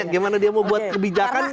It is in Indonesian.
gimana dia mau buat kebijakan